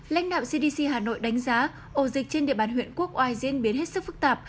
lãnh đạo cdc hà nội đánh giá ổ dịch trên địa bàn huyện quốc oai diễn biến hết sức phức tạp